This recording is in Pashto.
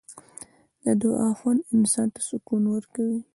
د دعا خوند انسان ته سکون ورکوي.